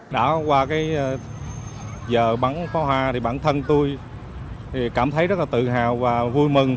đã qua cái giờ bắn pháo hoa thì bản thân tôi cảm thấy rất là tự hào và vui mừng